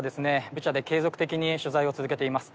ブチャで継続的に取材を続けています